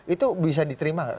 itu bisa diterima nggak